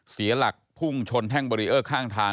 เสียหลักพุ่งชนแท่งเบรีเออร์ข้างทาง